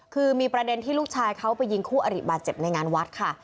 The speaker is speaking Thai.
คือมีประเด็นที่ลูกชายเขาไปยิงคู่อริบาดเจ็บในงานวัดค่ะ